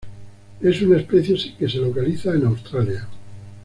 Es una especie que se localiza en Australia.